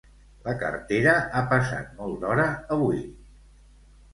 La cartera ha passat molt d'hora avui